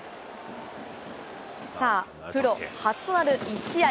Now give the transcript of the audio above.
さあ、プロ初となる１試合